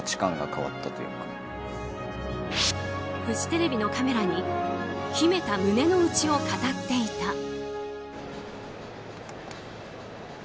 フジテレビのカメラに秘めた胸の内を語っていた。